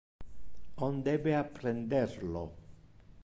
On debe apprender lo.